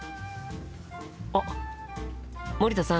あっ森田さん。